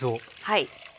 はい。